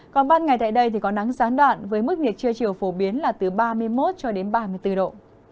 còn ban ngày tại đây thì có nắng gián đoạn với mức nhiệt trưa chiều phổ biến là từ ba mươi một cho đến ba mươi bốn độ